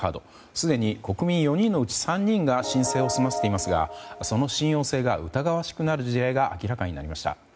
すでに国民４人のうち３人が申請を済ませていますがその信用性が疑わしくなる事例が明らかになりました。